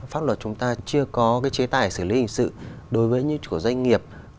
pháp luật chúng ta chưa có chế tài xử lý hình sự đối với những chủ doanh nghiệp